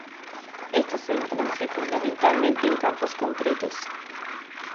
Estas céntranse fundamentalmente en campos concretos.